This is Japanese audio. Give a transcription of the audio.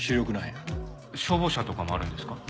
消防車とかもあるんですか？